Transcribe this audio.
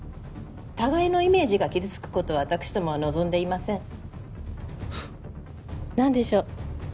互いのイメージが傷つくことを私どもは望んでいません何でしょう？